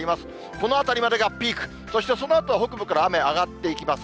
このあたりまでがピーク、そしてそのあとは北部から雨上がっていきます。